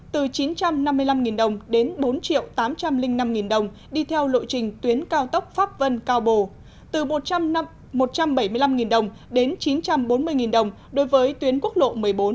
từ chín trăm năm mươi năm đồng đến bốn triệu tám trăm linh năm đồng đi theo lộ trình tuyến cao tốc pháp vân cao bồ từ một trăm bảy mươi năm đồng đến chín trăm bốn mươi đồng đối với tuyến quốc lộ một mươi bốn